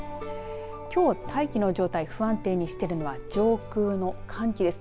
きょう大気の状態、不安定にしているのは上空の寒気です。